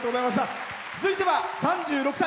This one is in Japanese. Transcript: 続いては３６歳。